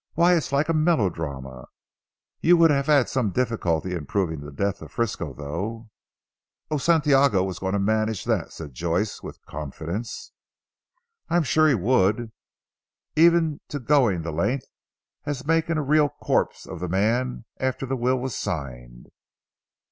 Why! it's like a melodrama. You would have had some difficulty in proving the death of Frisco though." "Oh, Santiago was going to manage that," said Joyce with confidence. "I am sure he would, even to going the length of making a real corpse of the man after the will was signed."